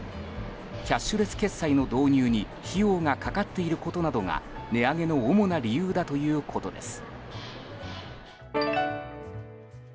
キャッシュレス決済の導入に費用がかかっていることなどが値上げの主な理由だということです。